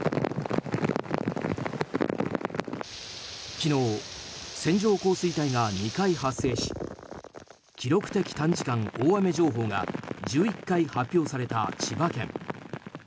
昨日、線状降水帯が２回発生し記録的短時間大雨情報が１１回発表された千葉県。